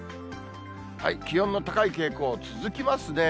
気温の高い傾向、続きますね。